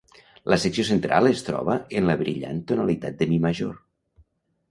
La secció central es troba en la brillant tonalitat de mi major.